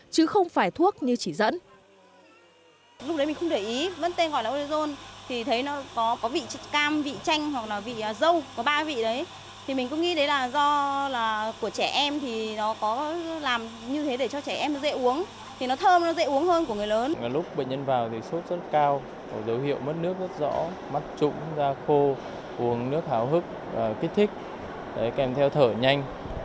chứ không phải thuốc như chỉ dẫn